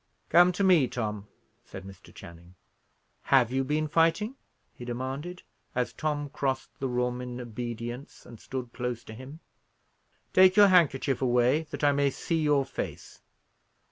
"Come to me, Tom," said Mr. Channing. "Have you been fighting?" he demanded, as Tom crossed the room in obedience, and stood close to him. "Take your handkerchief away, that I may see your face."